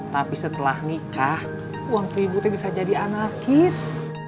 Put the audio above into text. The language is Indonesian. tapi setelah nikah uang seribu itu bisa jadi anarkis